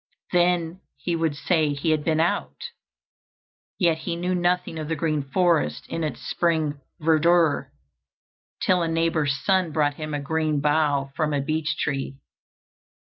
Then he would say he had been out, yet he knew nothing of the green forest in its spring verdure, till a neighbor's son brought him a green bough from a beech tree.